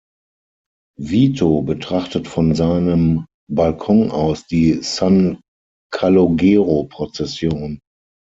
Vito betrachtet von seinem Balkon aus die San-Calogero-Prozession.